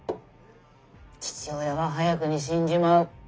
父親は早くに死んじまう。